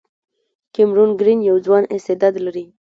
کیمرون ګرین یو ځوان استعداد لري.